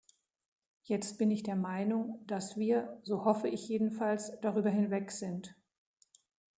Jetzt bin ich der Meinung, dass wir so hoffe ich jedenfalls darüber hinweg sind.